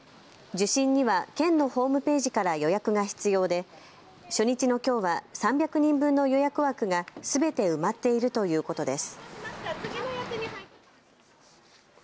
受診には県のホームページから予約が必要で初日のきょうは３００人分の予約枠がすべて埋まっているということです。